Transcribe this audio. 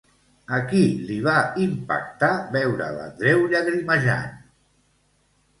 A qui li va impactar veure a l'Andreu llagrimejant?